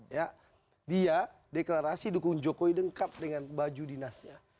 ya dia deklarasi dukung jokowi lengkap dengan baju dinasnya